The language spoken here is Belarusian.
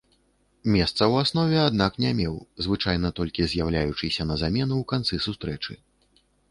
Месца ў аснове, аднак, не меў, звычайна толькі з'яўляючыся на замену ў канцы сустрэчы.